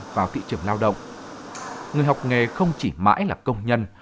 khi tham gia vào kỳ trường lao động người học nghề không chỉ mãi là công nhân